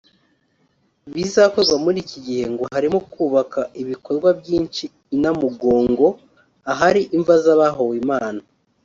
Ibizakorwa muri iki gihe ngo harimo kubaka ibikorwa byinshi i Namugongo ahari imva z’abahowe Imana